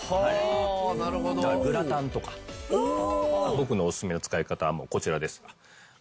僕のおすすめの使い方はこちらです。